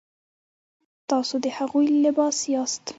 تاسو د هغوی لباس یاست.